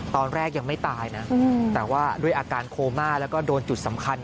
ตอนแรกยังไม่ตายนะแต่ว่าด้วยอาการโคม่าแล้วก็โดนจุดสำคัญ